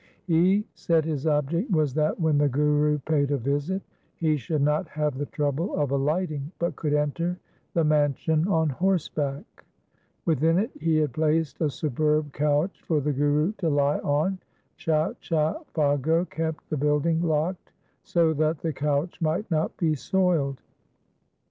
He said his object was that when the Guru paid a visit he should not have the trouble of alighting, but could enter the man sion on horseback. Within it he had placed a superb couch for the Guru to lie on. Chacha Phaggo kept the building locked so that the couch might not be soiled.